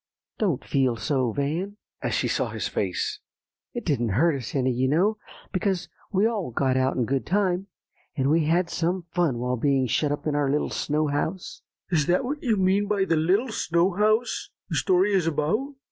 Don't feel so, Van," as she saw his face; "it didn't hurt us any, you know, because we all got out in good time. And we had some fun while being shut up in our little snow house." "Is that what you mean by the little snow house the story is about?"